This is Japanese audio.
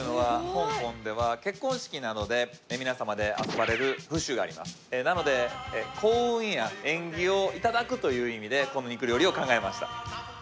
結婚式などで皆様で遊ばれる風習がありますなので幸運や縁起をいただくという意味でこの肉料理を考えました